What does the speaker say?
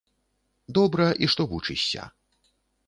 Добра, і што вучышся.